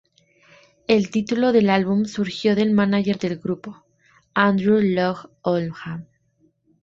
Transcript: El título del álbum surgió del mánager del grupo, Andrew Loog Oldham.